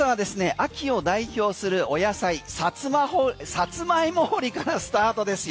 秋を代表するお野菜サツマイモ掘りからスタートですよ。